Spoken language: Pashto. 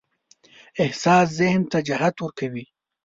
احساس ذهن ته جهت ورکوي.